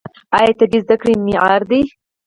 آیا طبي زده کړې معیاري دي؟